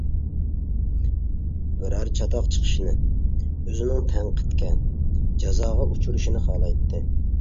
بىرەر چاتاق چىقىشىنى، ئۆزىنىڭ تەنقىدكە، جازاغا ئۇچرىشىنى خالايتتى.